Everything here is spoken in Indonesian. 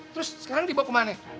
terus sekarang dibawa ke mana